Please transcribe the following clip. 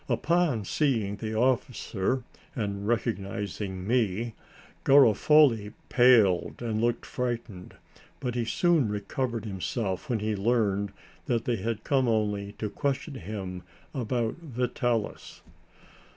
Upon seeing the officer and recognizing me, Garofoli paled and looked frightened, but he soon recovered himself when he learned that they had only come to question him about Vitalis.